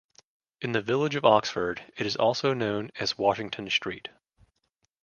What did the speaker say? In the Village of Oxford, it is also known as Washington Street.